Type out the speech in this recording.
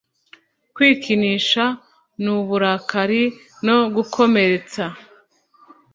Kwikinisha nuburakari no gukomeretsa